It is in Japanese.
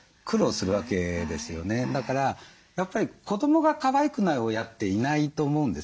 だから子どもがかわいくない親っていないと思うんです。